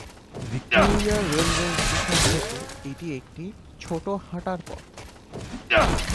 Victoria railway station থেকে এটি একটি ছোট হাঁটার পথ।